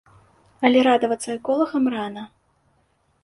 Але радавацца эколагам рана.